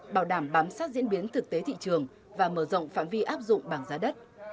bảo đảm bám sát diễn biến thực tế thị trường và mở rộng phạm vi áp dụng bảng giá đất